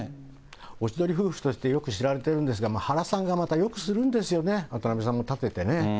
おしどり夫婦としてよく知られているんですが、原さんがまたよくするんですよね、渡辺さんを立ててね。